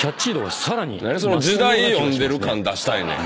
何時代読んでる感出したいねん。